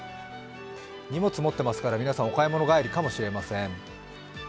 荷物を持っていますから、皆さん、お買い物帰りかもしれません。